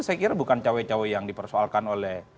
saya kira bukan cawe cawe yang dipersoalkan oleh